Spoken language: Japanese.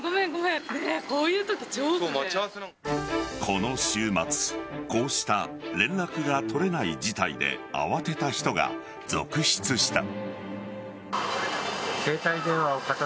この週末こうした連絡が取れない事態で慌てた人が続出した。